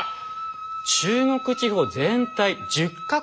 中国地方全体１０か国もの